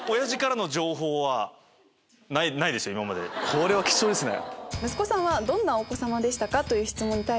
これは貴重ですね。